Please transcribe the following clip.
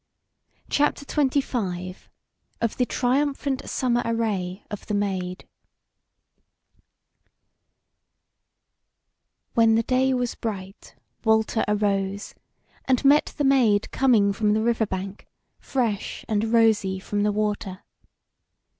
CHAPTER XXV: OF THE TRIUMPHANT SUMMER ARRAY OF THE MAID When the day was bright Walter arose, and met the Maid coming from the river bank, fresh and rosy from the water.